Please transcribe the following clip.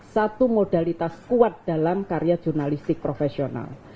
satu modalitas kuat dalam karya jurnalistik profesional